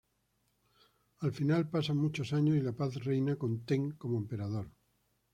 Al final pasan muchos años y la paz reina con Ten como emperador.